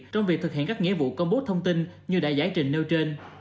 trong việc thực hiện các nghĩa vụ công bố thông tin như đã giải trình nêu trên